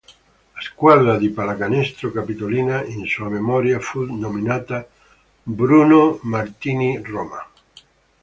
La squadra di pallacanestro capitolina, in sua memoria, fu denominata 'Bruno Mussolini Roma'.